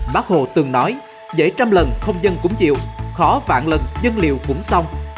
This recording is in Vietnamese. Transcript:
bác hồ từng nói dễ trăm lần không dân cũng chịu khó vạn lần dân liều cũng xong